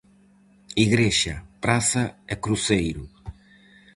Igrexa, praza e cruceiro.